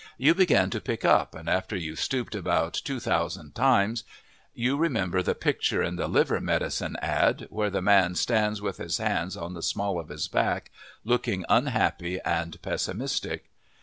You begin to pick up and after you've stooped about two thousand times you remember the picture in the liver medicine ad., where the man stands with his hands on the small of his back, looking unhappy and pessimistic.